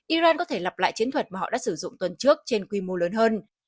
iran có thể lặp lại chiến thuật mà họ đã sử dụng tuần trước trên quy mô lớn hơn